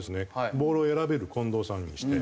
ボールを選べる近藤さんにして。